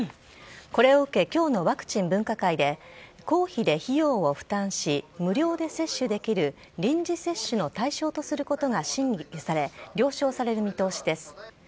これを受け、きょうのワクチン分科会で公費で費用を負担し、無料で接種できる臨時接種の対象とすることが審議され、了承される見通しです。